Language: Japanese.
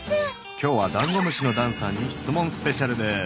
今日はダンゴムシのだんさんに質問スペシャルです。